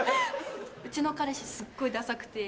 うちの彼氏すっごいダサくて。